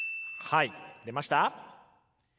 はい出ました。